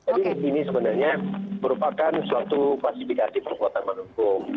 jadi ini sebenarnya merupakan suatu klasifikasi perkuatan managung